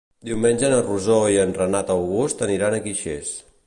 Diumenge na Rosó i en Renat August aniran a Guixers.